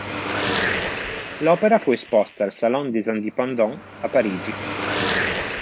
L'opera fu esposta al Salon des Indépendants a Parigi.